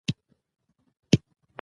د واک تمرکز توازن له منځه وړي